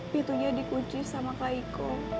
pitunya dikunci sama kak eko